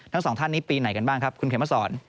ทั้งสองท่านนี้ปีไหนกันบ้างครับคุณเขมสอน